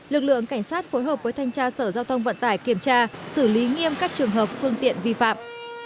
lực lượng cảnh sát phối hợp với thanh tra sở giao thông vận tải kiểm tra xử lý nghiêm các trường hợp phương tiện vi phạm